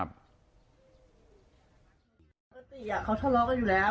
อาจารย์อ่ะเขาทะเลาะกันอยู่แล้วอืม